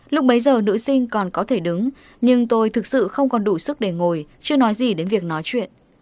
lúc bấy giờ nữ sinh còn có thể đứng nhưng tôi thực sự không còn đủ sức để ngồi chưa nói gì đến việc nói chuyện